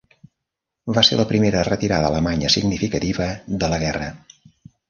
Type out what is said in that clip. Va ser la primera retirada alemanya significativa de la guerra.